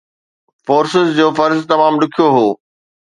forces جو فرض تمام ڏکيو هو